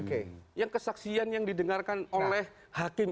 kemudian kesaksian yang didengarkan oleh hakim